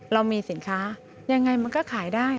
เรามีสินค้ายังไงมันก็ขายได้